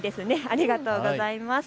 ありがとうございます。